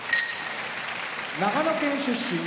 長野県出身